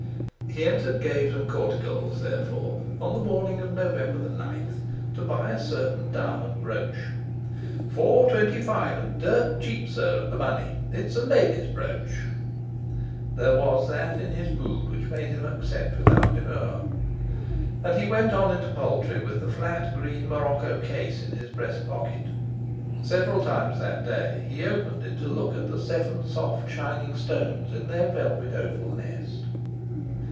He entered Gaves and Cortegal's therefore, on the morning of November the 9th, to buy a certain diamond brooch. "Four twenty five and dirt cheap, sir, at the money. It's a lady's brooch." There was that in his mood which made him accept without demur. And he went on into the Poultry with the flat green morocco case in his breast pocket. Several times that day he opened it to look at the seven soft shining stones in their velvet oval nest.